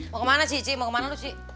mau kemana ci ci mau kemana lu ci